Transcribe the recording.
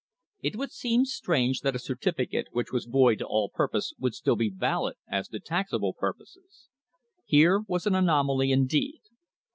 It would seem strange that a certificate which was void to all purpose would still be valid as to taxable pur poses.* Here was an anomaly indeed.